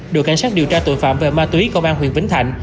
đội cảnh sát điều tra tội phạm về ma túy công an huyện vĩnh thạnh